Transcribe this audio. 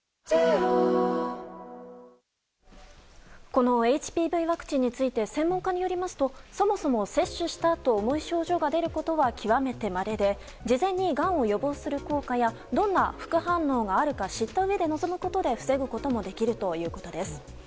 このＨＰＶワクチンについて専門家によりますとそもそも接種したあと重い症状が出ることは極めてまれで事前にがんを予防する効果やどんな副反応があるか知ったうえで臨むことで防ぐこともできるということです。